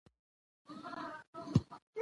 په زابل کې ساده ژوند د خلکو ترمنځ مينه زياته کړې.